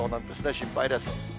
心配です。